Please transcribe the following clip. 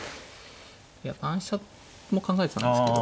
いや単飛車も考えてたんですけど。